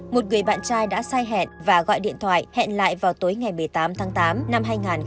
một người bạn trai đã sai hẹn và gọi điện thoại hẹn lại vào tối ngày một mươi tám tháng tám năm hai nghìn hai mươi ba